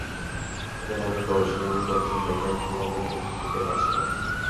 তাদের অনেক গবেষণামূলক তথ্য সরকার খোলা মনে গ্রহণ করতে পারছে না।